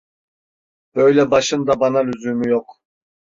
Böyle başın da bana lüzumu yok!